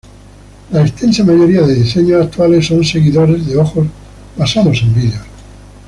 La extensa mayoría de diseños actuales son seguidores de ojos basados en vídeos.